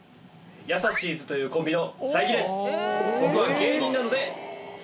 やさしいズというコンビの佐伯です。